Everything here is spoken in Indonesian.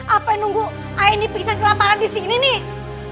apa yang nunggu air ini pisang kelaparan di sini nih